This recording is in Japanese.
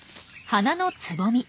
花のつぼみ。